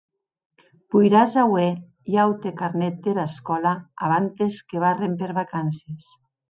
Poiràs auer un aute carnet dera escòla abantes que barren per vacances.